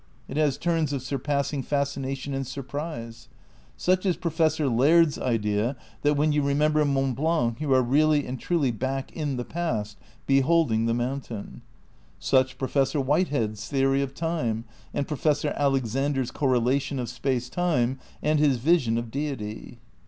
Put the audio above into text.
It has turns of surpassing fascination and sui^rise. Such is Professor Laird's idea that when you remem ber Mont Blanc you are really and truly back in the past, beholding the mountain. Such Professor White head's theory of Time, and Professor Alexander's cor relations of Space Time and his vision of Deity.